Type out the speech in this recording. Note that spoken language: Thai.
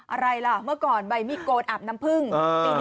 อะไรล่ะเมื่อก่อนใบมีดโกรธอาบน้ำพึ้งปีนี้